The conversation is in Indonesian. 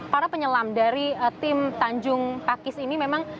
para penyelam dari tim tanjung pakis ini memang